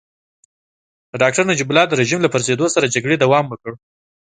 د ډاکټر نجیب الله د رژيم له پرزېدو سره جګړې دوام وکړ.